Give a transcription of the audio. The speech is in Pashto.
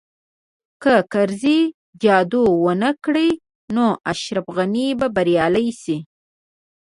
که کرزی جادو ونه کړي نو اشرف غني به بریالی شي